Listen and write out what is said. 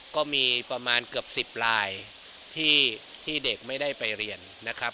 ก็มีประมาณเกือบ๑๐ลายที่เด็กไม่ได้ไปเรียนนะครับ